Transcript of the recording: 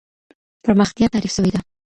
پرمختيا تعريف سوې ده.